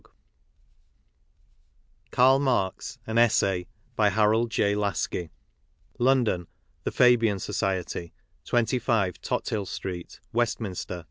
1993 KARL MARX AN ESSAY By HAROLD J. LASKI London ; THE FABIAN SOCIETY 25, TothiU Street, Westminster, S.